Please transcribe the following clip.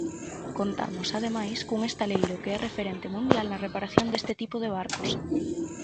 Contamos, ademais, cun estaleiro que é referente mundial na reparación deste tipo de barcos.